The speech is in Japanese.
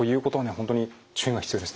本当に注意が必要ですね。